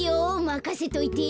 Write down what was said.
まかせといて。